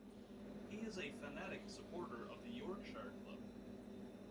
He is a fanatic supporter of the Yorkshire club.